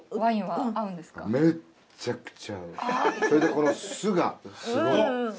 それでこの酢がすごい。